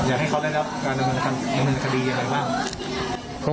อยากให้เขาได้รับการดำเนินคดีอะไรบ้าง